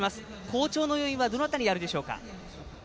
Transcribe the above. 好調の要因はどの辺りにあるでしょうか。